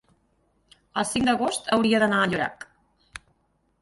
el cinc d'agost hauria d'anar a Llorac.